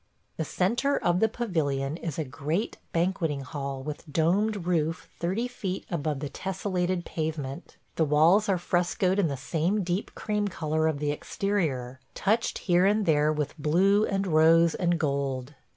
The centre of the pavilion is a great banqueting hall with domed roof thirty feet above the tessellated pavement. The walls are frescoed in the same deep cream color of the exterior, touched here and there with blue and rose and gold.